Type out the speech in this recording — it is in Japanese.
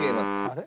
あれ？